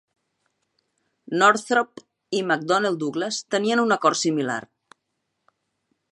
Northrop i McDonnell Douglas tenien un acord similar.